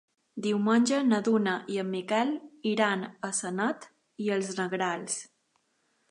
Diumenge na Duna i en Miquel iran a Sanet i els Negrals.